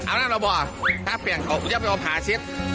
เอานั่นเราบอกถ้าเปลี่ยนเขาอยากไปเอาพาเซ็ต